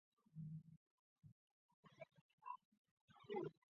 不定期举办现代艺术特展。